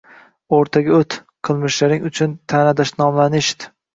— O‘rtaga o‘t, qilmishlaring uchun ta’na-dashnomlarni eshit